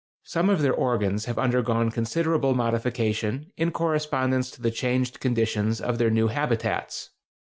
Some of their organs have undergone considerable modification in correspondence to the changed conditions of their new habitats.